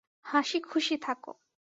হাসি খুশি থাকো।